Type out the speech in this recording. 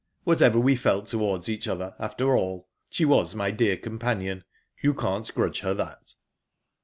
Whatever we felt towards each other, after all, she was my dear companion. You can't grudge her that."